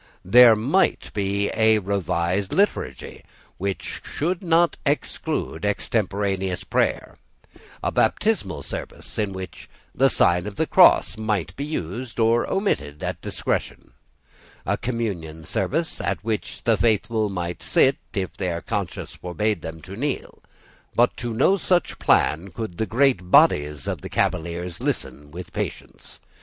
There might be a revised Liturgy which should not exclude extemporaneous prayer, a baptismal service in which the sign of the cross might be used or omitted at discretion, a communion service at which the faithful might sit if their conscience forbade them to kneel. But to no such plan could the great bodies of the Cavaliers listen with patience.